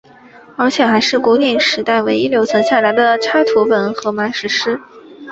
而且还是古典时代唯一留存下来的插图本荷马史诗。